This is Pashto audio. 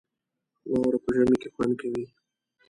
واوره په ژمي کې خوند کوي